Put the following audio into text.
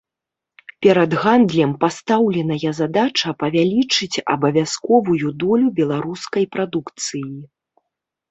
Перад гандлем пастаўленая задача павялічыць абавязковую долю беларускай прадукцыі.